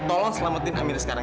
tolong selamatin amirah sekarang